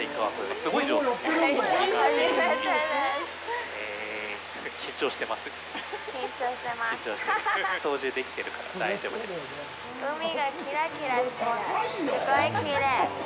すごいきれい。